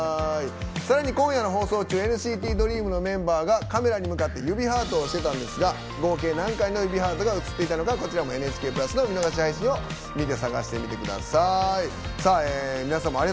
さらに今夜の放送中ＮＣＴＤＲＥＡＭのメンバーがカメラに向かって指ハートをしてたんですが合計何回の指ハートが映っていたのかこちらも「ＮＨＫプラス」の見逃し配信を見て探してみてください。